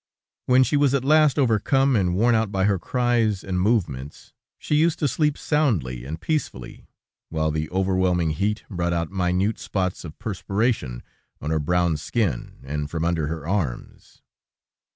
When she was at last overcome and worn out by her cries and movements, she used to sleep soundly and peacefully while the overwhelming heat brought out minute spots of perspiration on her brown skin, and from under her arms.